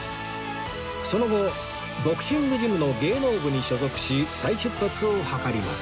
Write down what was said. その後ボクシングジムの芸能部に所属し再出発を図ります